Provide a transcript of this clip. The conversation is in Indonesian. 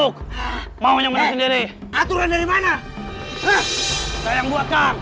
kamu harus menuruti semua perintahku